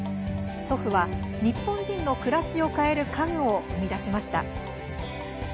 祖父は日本人の暮らしを変える家具を生み出しました。